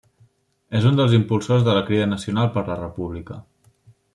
És un dels impulsors de la Crida Nacional per la República.